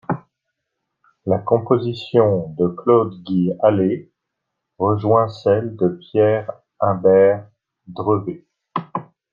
La composition de Claude Guy Hallé rejoint celle de Pierre Imbert Drevet.